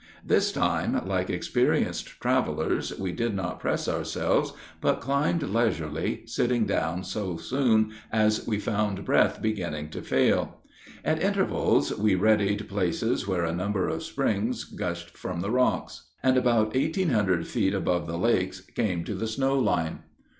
This time, like experienced travelers, we did not press ourselves, but climbed leisurely, sitting down so soon as we found breath beginning to fail. At intervals, we readied places where a number of springs gushed from the rocks, and, about 1800 feet above the lakes, came to the snow line.